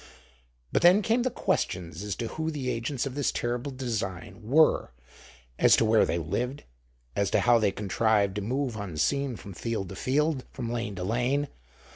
But then came the questions as to who the agents of this terrible design were, as to where they lived, as to how they contrived to move unseen from field to field, from lane to lane.